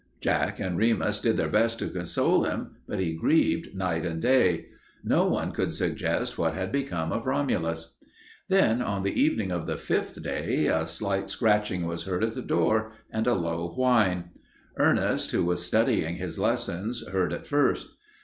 Jack and Remus did their best to console him, but he grieved night and day. No one could suggest what had become of Romulus. Then, on the evening of the fifth day, a slight scratching was heard at the door, and a low whine. Ernest, who was studying his lessons, heard it first.